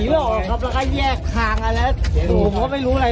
อื้อแบบนี้หรอครับ